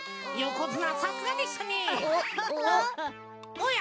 おや？